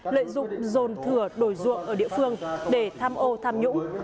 lợi dụng dồn thừa đổi ruộng ở địa phương để tham ô tham nhũng